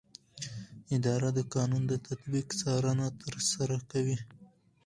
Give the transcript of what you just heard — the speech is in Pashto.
اداره د قانون د تطبیق څارنه ترسره کوي.